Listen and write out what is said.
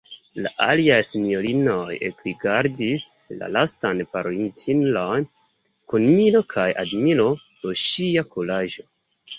La aliaj sinjorinoj ekrigardis la lastan parolintinon kun miro kaj admiro pro ŝia kuraĝo.